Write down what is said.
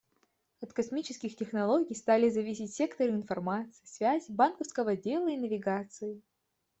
От космических технологий стали зависеть секторы информации, связи, банковского дела и навигации.